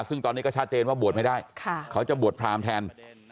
ซึ่งตอนนี้ก็ชัดเจนว่าบวชไม่ได้เขาจะบวชพรามแทน